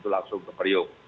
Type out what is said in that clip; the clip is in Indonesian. langsung ke priuk